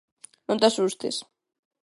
Non te asustes